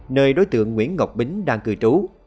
nơi đối tượng nguyễn ngọc bính đang cư trú